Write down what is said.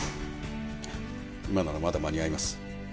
今ならまだ間に合います。